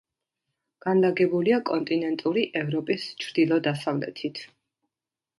განლაგებულია კონტინენტური ევროპის ჩრდილო-დასავლეთით.